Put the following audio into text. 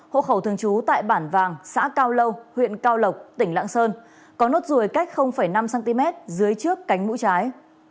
hộ khẩu thường trú tại bản vàng xã cao lâu huyện cao lộc tỉnh lạng sơn có nốt ruồi cách năm cm dưới trước cánh mũi trái